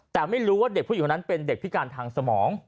แต่ไม่รู้ว่าเด็กผู้หญิงคนนั้นเป็นเด็กพิการทางสมอง